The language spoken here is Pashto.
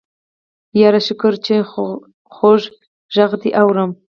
يره شکر چې خوږ غږ دې اورم.